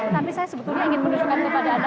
tapi saya sebetulnya ingin menunjukkan kepada anda